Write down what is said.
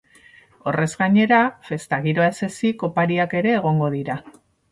Horrez gainera, festa-giroa ez ezik, opariak ere egongo dira.